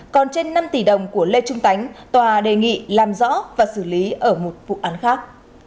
còn trên năm tỷ đồng của lê trung tá đề nghị làm rõ và xử lý ở một vụ án khác